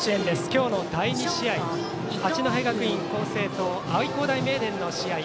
今日の第２試合八戸学院光星と愛工大名電の試合。